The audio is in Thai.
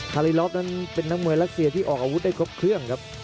รีลอฟนั้นเป็นนักมวยรัสเซียที่ออกอาวุธได้ครบเครื่องครับ